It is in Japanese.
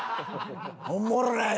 おもろない！